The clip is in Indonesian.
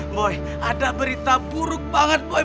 mboy ada berita buruk banget mboy